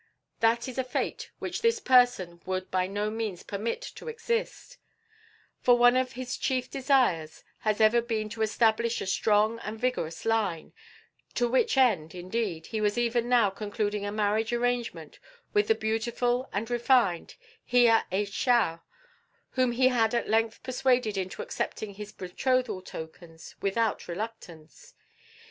That is a fate which this person would by no means permit to exist, for one of his chief desires has ever been to establish a strong and vigorous line, to which end, indeed, he was even now concluding a marriage arrangement with the beautiful and refined Hiya ai Shao, whom he had at length persuaded into accepting his betrothal tokens without reluctance."